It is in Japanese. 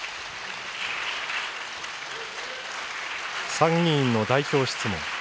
参議院の代表質問。